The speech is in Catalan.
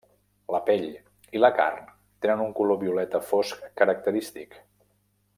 La pell i la carn tenen un color violeta fosc característic.